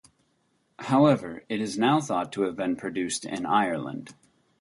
However, it is now thought to have been produced in Ireland.